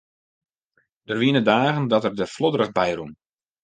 Der wiene dagen dat er der flodderich by rûn.